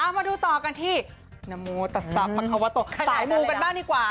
มาดูต่อกันที่นมูตศพภาวะตกสายมูกันบ้างดีกว่า